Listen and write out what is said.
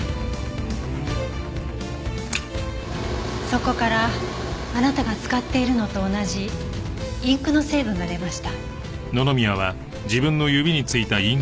そこからあなたが使っているのと同じインクの成分が出ました。